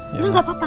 udah gak apa apa